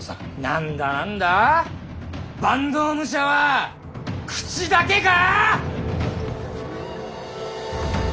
何だ何だ坂東武者は口だけか！